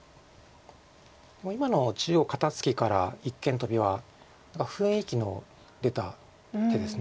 今の中央肩ツキから一間トビは雰囲気の出た手です。